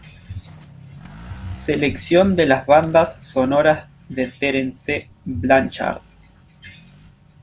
Selección de las bandas sonoras de Terence Blanchard.